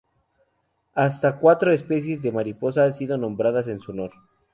Hasta cuatro especies de mariposa han sido nombradas en su honor.